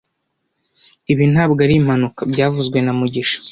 Ibi ntabwo ari impanuka byavuzwe na mugisha